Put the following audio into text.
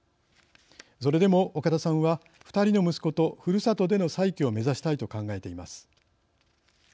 それでも岡田さんは２人の息子とふるさとでの再起を目指したいと考えています。